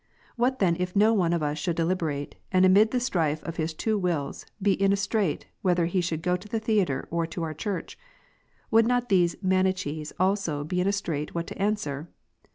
What then if one of us should deliberate, and amid the strife of his two wills be in a strait, whether he should go to the theatre, or to our church? would not these Manicliees also be in a strait what to an swer